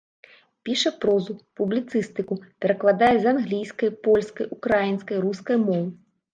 Піша прозу, публіцыстыку, перакладае з англійскай, польскай, украінскай, рускай моў.